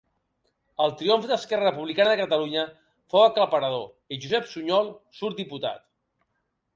El triomf d'Esquerra Republicana de Catalunya fou aclaparador i Josep Sunyol surt diputat.